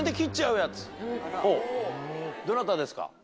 どなたですか？